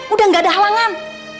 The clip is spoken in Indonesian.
udah gak ada halangan